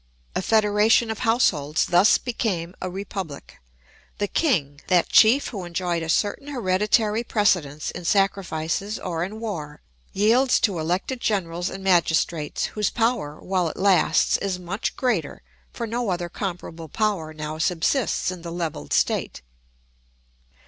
A federation of households thus became a republic. The king, that chief who enjoyed a certain hereditary precedence in sacrifices or in war, yields to elected generals and magistrates whose power, while it lasts, is much greater; for no other comparable power now subsists in the levelled state.